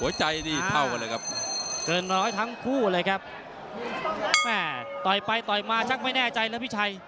ใจนี่เท่ากันเลยครับเกินร้อยทั้งคู่เลยครับแม่ต่อยไปต่อยมาช่างไม่แน่ใจนะพี่ชัย